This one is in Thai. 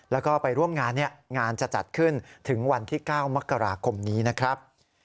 แล้วก็ไปร่วมงานงานจะจัดขึ้นถึงวันที่๙มกราคมนี้นะครับ